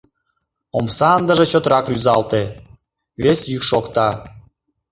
Омса ындыже чотрак рӱзалте, вес йӱк шокта: